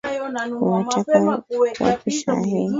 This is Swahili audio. Unatoka wapi saa hii?